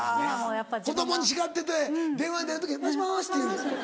子供に叱ってて電話に出る時「もしもし」っていう。